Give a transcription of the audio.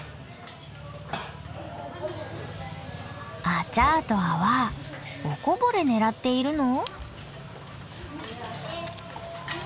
アチャーとアワーおこぼれ狙っているの？